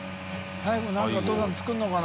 埜何かお父さん作るのかな？